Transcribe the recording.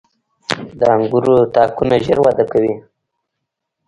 • د انګورو تاکونه ژر وده کوي.